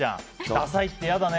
ダサいって嫌だね。